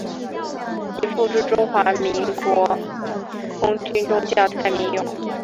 其父为中华民国空军中将蔡名永。